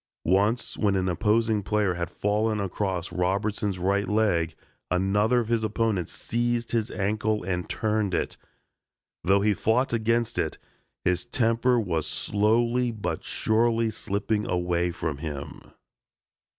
Once when an opposing player had fallen across Robertson's right leg, another of his opponents seized his ankle and turned it. Though he fought against it, his temper was slowly but surely slipping away from him.